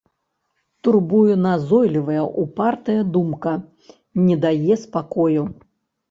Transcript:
Турбуе назойлівая, упартая думка, не дае спакою.